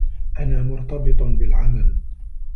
أنا مرتبط بالعمل.